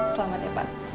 selamat ya pak